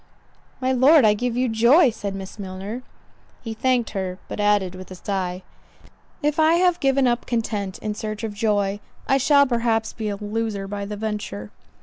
"My Lord, I give you joy," said Miss Milner. He thanked her, but added with a sigh, "If I have given up content in search of joy, I shall perhaps be a loser by the venture."